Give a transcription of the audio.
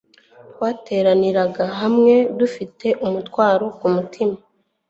Twateraniraga hamwe dufite umutwaro ku mutima,